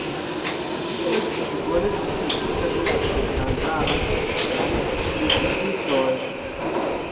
Ĝi estis bone akceptita de la spektantaro kaj kritikistoj.